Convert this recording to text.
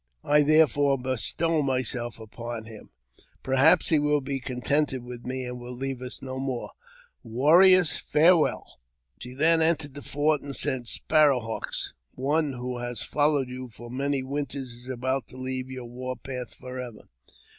I therefore bestow myself upon him ; perhaps he will be contented with me, and will leave us no more. Warriors, farewell !" She then entered the fort, and said, " Sparrowhawks, one> who has followed you for many winters is about to leave your war path for ever.